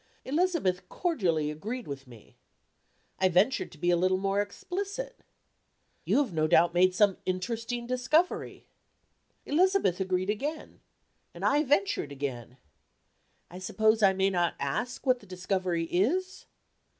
Elizabeth cordially agreed with me. I ventured to be a little more explicit: "You have no doubt made some interesting discovery." Elizabeth agreed again; and I ventured again: "I suppose I may not ask what the discovery is?"